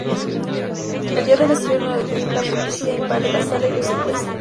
El día del estreno del film la policía invade la sala y lo secuestra.